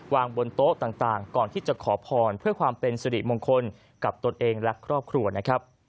วางบนโต๊ะต่างก่อนที่จะขอพรเพื่อความเป็นสิริมงคลกับตนเองและครอบครัวนะครับ